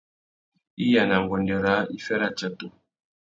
Iya na nguêndê râā, iffê râtsatu.